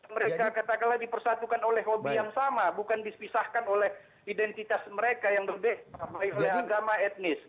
mereka katakanlah dipersatukan oleh hobi yang sama bukan dipisahkan oleh identitas mereka yang berbeda baik oleh agama etnis